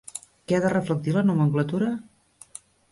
Què ha de reflectir la nomenclatura?